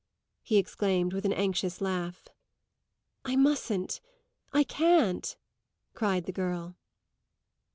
he exclaimed with an anxious laugh. "I mustn't I can't!" cried the girl.